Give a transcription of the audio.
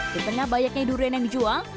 di tengah banyaknya durian yang dijual